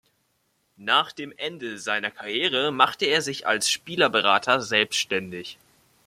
Nach dem Ende seiner Karriere machte er sich als Spielerberater selbstständig.